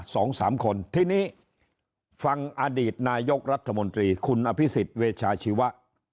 สองสามคนทีนี้ฟังอดีตนายกรัฐมนตรีคุณอภิษฎเวชาชีวะ